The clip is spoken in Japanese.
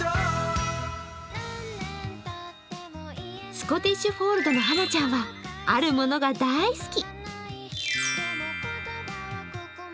スコティッシュフォールドのはなちゃんはあるものが大好き。